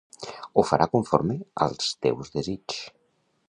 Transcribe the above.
Ho farà conformement als teus desigs.